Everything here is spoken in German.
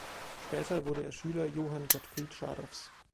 Später wurde er Schüler Johann Gottfried Schadows.